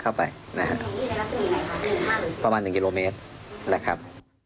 เข้าไปนะฮะประมาณหนึ่งกิโลเมตรนะครับ